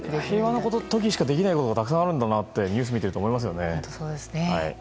平和な時しかできないことがたくさんあるんだなってニュースを見ていて思いますよね。